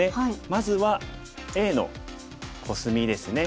まずはＡのコスミですね。